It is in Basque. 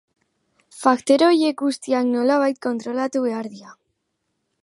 Faktore horiek guztiak nolabait kontrolatu behar dira.